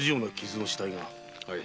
はい。